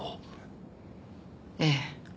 ええ。